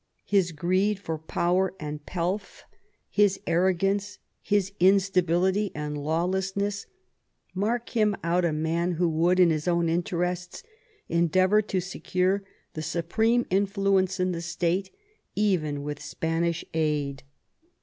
His greed for power and pelf, his arrogance. V THE EARLY YEARS OF THE NEW FRONDE 79 bis instability and lawlessness, mark him out a man who would in his own interests endeavour to secure the supreme influence in the State even with Spanish aid.